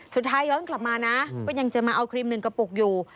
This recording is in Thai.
สุดท้ายย้อนกลับมานะก็ยังจะมาเอาครีม๑กระปุกอยู่